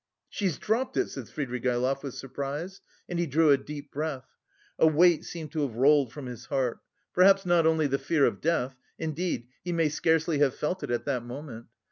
"She's dropped it!" said Svidrigaïlov with surprise, and he drew a deep breath. A weight seemed to have rolled from his heart perhaps not only the fear of death; indeed he may scarcely have felt it at that moment.